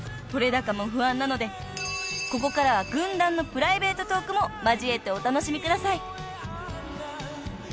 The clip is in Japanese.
［取れ高も不安なのでここからは軍団のプライベートトークも交えてお楽しみください］